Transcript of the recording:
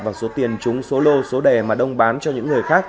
và số tiền trúng số lô số đè mà đông bán cho những người khác